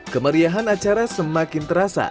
kemeriahan acara semakin terasa